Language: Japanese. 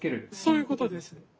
そういうことです。